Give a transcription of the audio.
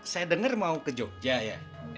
saya dengar mau ke jogja ya